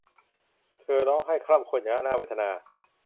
เธอร้องไห้คร่ำครวญอย่างน่าเวทนา